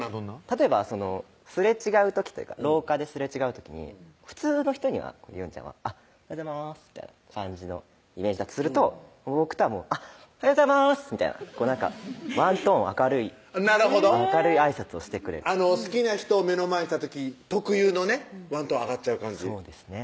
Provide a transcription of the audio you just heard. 例えばすれ違う時というか廊下ですれ違う時に普通の人には璃音ちゃんは「おはようございます」みたいな感じのイメージだとすると僕とは「おはようございます！」みたいなこうなんかワントーン明るい明るいあいさつをしてくれる好きな人を目の前にした時特有のねワントーン上がっちゃう感じそうですね